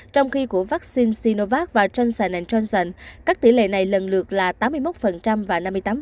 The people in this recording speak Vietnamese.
trong khi của vaccine sinovac và johnson johnson các tỷ lệ này lần lượt là tám mươi một và năm mươi tám